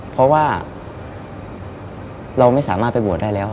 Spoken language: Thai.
เพราะว่าเราไม่สามารถไปบวชได้แล้ว